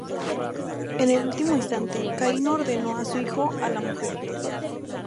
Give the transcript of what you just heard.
En el último instante, Cain ordenó a su hijo a la mujer.